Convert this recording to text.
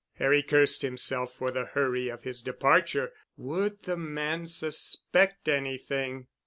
Harry cursed himself for the hurry of his departure. Would the man suspect anything?